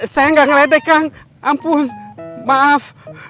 saya enggak ngeledek kang ampun maaf